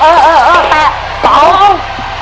เออเออเออแปะสอง